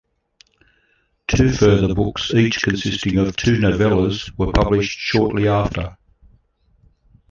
Two further books, each consisting of two novellas, were published shortly after.